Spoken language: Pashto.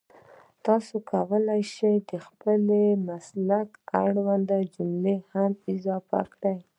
تاسو کولای شئ د خپل مسلک اړونده جملې هم ور اضافه کړئ